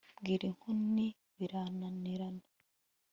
bwira inkoni, 'birananirana